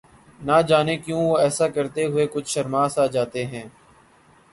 نہ جانے کیوں وہ ایسا کرتے ہوئے کچھ شرماسا جاتے ہیں